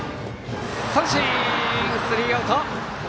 三振、スリーアウト！